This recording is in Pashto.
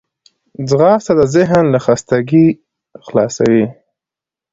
ځغاسته د ذهن له خستګي خلاصوي